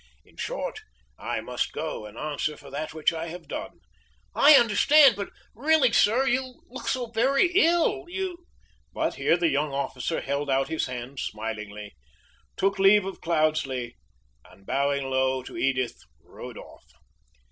In short, I must go and answer for that which I have done." "I understand, but really, sir, you look very ill you " But here the young officer held out his hand smilingly, took leave of Cloudesley, and bowing low to Edith, rode off.